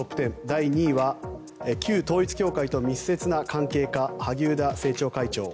第２位は旧統一教会と密接な関係か、萩生田政調会長。